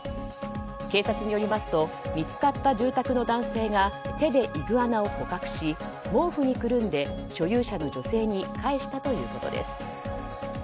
警察によりますと見つかった住宅の男性が手でイグアナを捕獲し毛布にくるんで所有者の女性に返したということです。